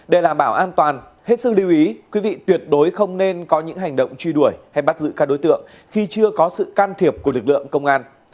để đảm bảo an toàn hết sức lưu ý quý vị tuyệt đối không nên có những hành động truy đuổi hay bắt giữ các đối tượng khi chưa có sự can thiệp của lực lượng công an